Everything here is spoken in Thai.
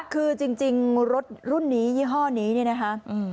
คือจริงรถรุ่นนี้ยี่ห้อนี้เนี่ยนะคะ